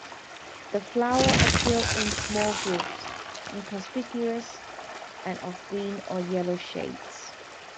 The flowers occur in small groups, inconspicuous and of green or yellow shades.